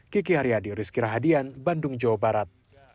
kiki haryadi rizky rahadian bandung jawa barat